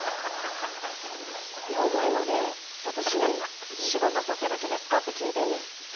いや「お前まで私に仕事させる気ですか？」って聞いてんねん。